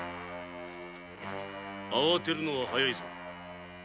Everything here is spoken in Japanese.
・慌てるのは早いぞ。